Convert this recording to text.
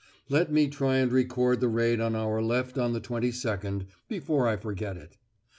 Let me try and record the raid on our left on the 22nd, before I forget it.